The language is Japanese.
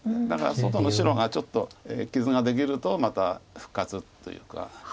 だから外の白がちょっと傷ができるとまた復活というか。